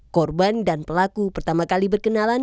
korban dan pelaku pertama kali berkenalan